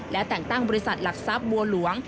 และแต่งตั้งบริษัทหลักทรัพย์บัวหลวง